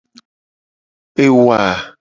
Ewa.